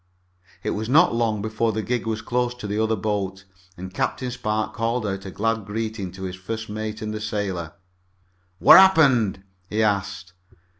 It was not long before the gig was close to the other boat, and Captain Spark called out a glad greeting to his first mate and the sailor. "What happened?" he asked.